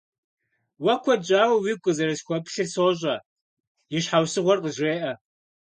Уэ куэд щӏауэ уигу къызэрысхуэплъыр сощӏэ, и щхьэусыгъуэр къызжеӏэ.